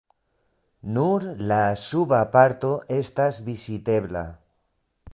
Nur la suba parto estas vizitebla.